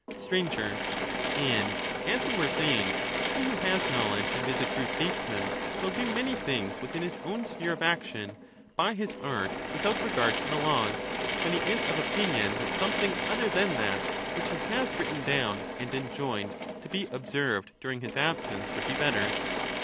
Sir, And, as we were sa)ring, he who has knowledge and is a true Statesman, will do many things within his own sphere of action by his art without regard to the laws, when he is of opinion that something other than that which he has written down and enjoined to be observed during his absence would be better.